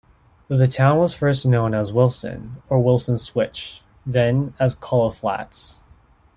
The town was first known as Wilson, or Wilson Switch; then as Coloflats.